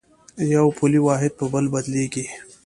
یو پولي واحد په بل بدلېږي.